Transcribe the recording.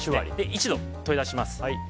一度、取り出します。